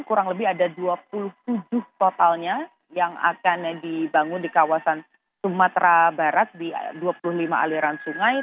kurang lebih ada dua puluh tujuh totalnya yang akan dibangun di kawasan sumatera barat di dua puluh lima aliran sungai